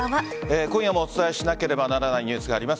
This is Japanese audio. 今夜もお伝えしなければならないニュースがあります。